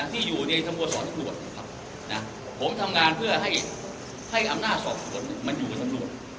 ที่อยู่ในสโมสรตำรวจนะครับผมทำงานเพื่อให้อำนาจสอบสวนมันอยู่กับตำรวจ